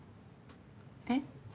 えっ？